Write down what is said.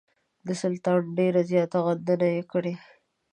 د سلطان ډېره زیاته غندنه یې کړې.